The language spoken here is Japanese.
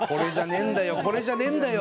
「これじゃねえんだよ